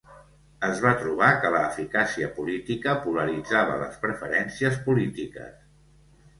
Es va trobar que la eficàcia política polaritzava les preferències polítiques.